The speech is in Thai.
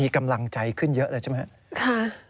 กำลังใจขึ้นเยอะเลยใช่ไหมครับ